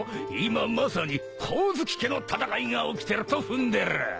今まさに光月家の戦いが起きてると踏んでる。